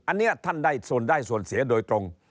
อันนี้ท่านได้ส่วนได้ส่วนเสียโดยตรง